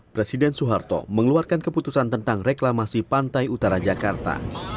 presiden soeharto mengeluarkan keputusan tentang reklamasi pantai utara jakarta